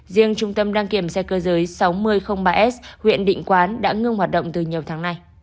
riêng trung tâm đăng kiểm xe cơ giới sáu nghìn ba s huyện định quán đã ngưng hoạt động từ nhiều tháng nay